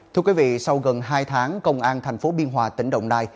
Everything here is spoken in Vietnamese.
thưa quý vị sau gần hai tháng công an tp biên hòa tỉnh đồng nai